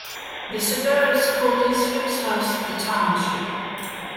The Superior School District serves the Township.